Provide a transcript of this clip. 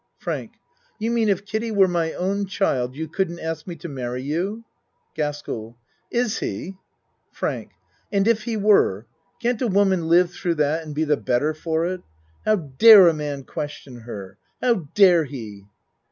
FRANK You mean if Kiddie were my own child, you couldn't ask me to marry you? GASKELL Is he? FRANK And if he were? Can't a woman live thro' that and be the better for it? How dare a man question her! How dare he!